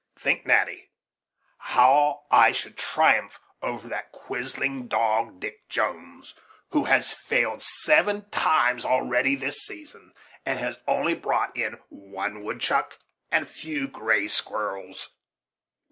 Think, Natty, how I should triumph over that quizzing dog, Dick Jones, who has failed seven times already this season, and has only brought in one woodchuck and a few gray squirrels."